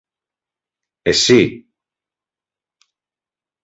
Εσύ!